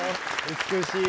美しい。